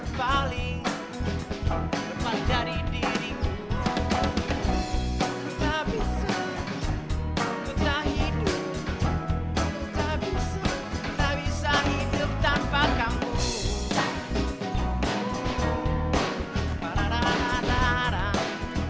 mengapa kau berpaling